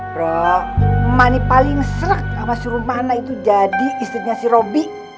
bro emang ini paling serak sama si romana itu jadi istrinya si robi